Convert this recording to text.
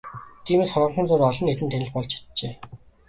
Тиймээс хоромхон зуур олон нийтийн танил болж чаджээ.